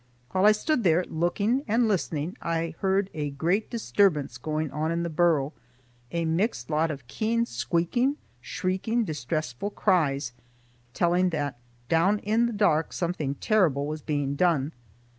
While I stood there looking and listening, I heard a great disturbance going on in the burrow, a mixed lot of keen squeaking, shrieking, distressful cries, telling that down in the dark something terrible was being done.